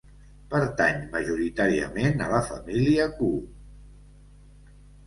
Pertany majoritàriament a la família Koo.